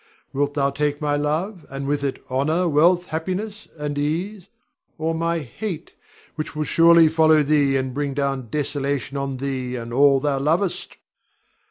Wilt thou take my love, and with it honor, wealth, happiness, and ease, or my hate, which will surely follow thee and bring down desolation on thee and all thou lovest?